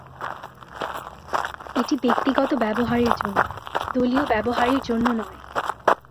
এটা ব্যক্তিগত ব্যবহারের জন্য, দলীয় ব্যবহারের জন্য নয়।